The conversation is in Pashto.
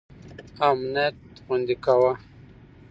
امنیت خوندي کاوه.